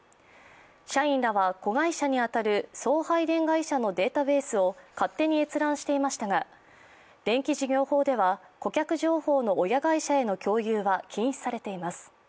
社員らは子会社に当たる送配電会社のデータベースを勝手に閲覧していましたが、電気事業法では顧客情報の親会社への共有は禁止されています。